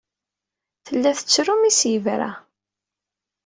Tella tettru mi as-yebra.